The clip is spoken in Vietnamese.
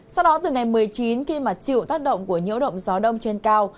sau đó từ ngày một mươi chín khi mà chịu tác động của nhiễu động gió đông trên cao